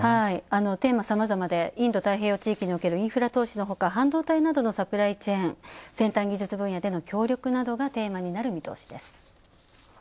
テーマ、さまざまでインド太平洋地域におけるインフラ投資のほか、半導体などのサプライチェーン、先端技術分野の協力などがテーマになる見通しです。